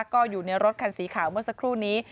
ก็อยู่ในรถคันสีขาวเมื่อสักครู่นี้